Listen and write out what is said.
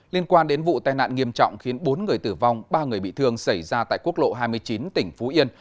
liên quan đến vụ tai nạn nghiêm trọng khiến bốn người tử vong ba người bị thương xảy ra tại quốc lộ hai mươi chín tỉnh phú yên